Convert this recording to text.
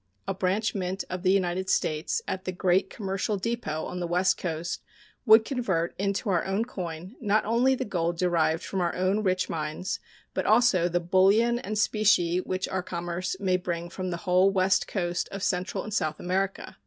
A branch mint of the United States at the great commercial depot on the west coast would convert into our own coin not only the gold derived from our own rich mines, but also the bullion and specie which our commerce may bring from the whole west coast of Central and South America.